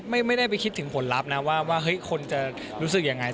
ไม่ได้ไปคิดถึงผลลัพธ์นะว่าเฮ้ยคนจะรู้สึกยังไง